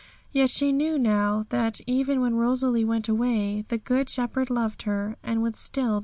Yet she knew now that, even when Rosalie went away, the Good Shepherd loved her, and would be with her still.